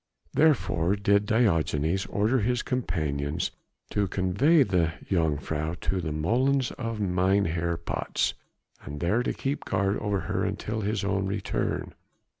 Therefore did Diogenes order his companions to convey the jongejuffrouw to the molens of Mynheer Patz, and there to keep guard over her until his own return.